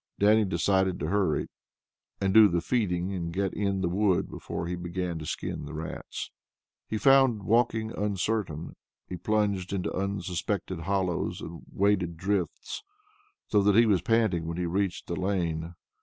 Dannie decided to hurry, and do the feeding and get in the wood before he began to skin the rats. He found walking uncertain. He plunged into unsuspected hollows, and waded drifts, so that he was panting when he reached the lane.